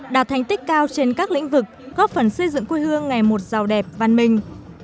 đạt thành tích cao trên các lĩnh vực góp phần xây dựng quê hương ngày một giàu đẹp văn minh